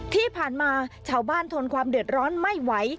ที่ผ่านมาชาวบ้านทนความเดือดร้อนไม่ไหว